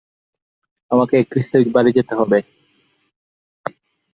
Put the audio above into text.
তিনি এই বিষয়ে গবেষণা শুরু করেন।